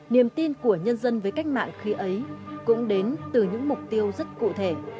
niềm tin của nhân dân với cách mạng khi ấy cũng đến từ những mục tiêu rất cụ thể